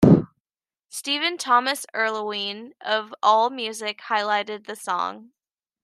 Stephen Thomas Erlewine of AllMusic highlighted the song.